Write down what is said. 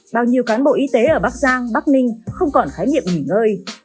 bao nhiêu cán bộ y tế ở bắc giang bắc ninh không còn khái niệm nghỉ ngơi